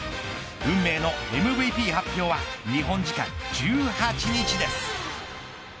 運命のＭＶＰ発表は日本時間１８日です。